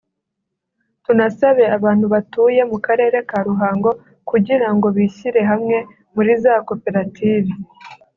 tunasabe abantu batuye mu karere ka Ruhango kugira ngo bishyire hamwe muri za koperative